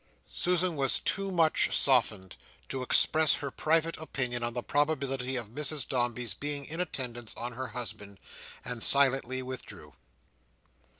Susan was too much softened to express her private opinion on the probability of Mrs Dombey's being in attendance on her husband, and silently withdrew.